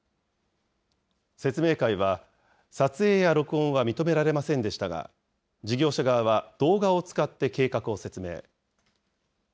説明会は、撮影や録音は認められませんでしたが、事業者側は動画を使って計画を説明。